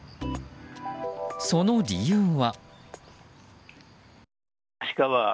その理由は。